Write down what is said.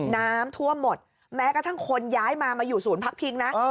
น้ำท่วมหมดแม้กระทั่งคนย้ายมามาอยู่ศูนย์พักพิงนะ